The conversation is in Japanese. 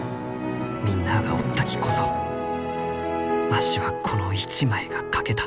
みんなあがおったきこそわしはこの一枚が描けた。